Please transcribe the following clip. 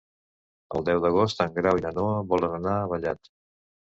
El deu d'agost en Grau i na Noa volen anar a Vallat.